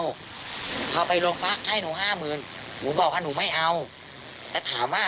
เอาไปโรงพักให้หนูห้าหมื่นหนูบอกว่าหนูไม่เอาแล้วถามว่า